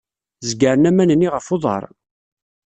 Zegren aman-nni ɣef uḍar.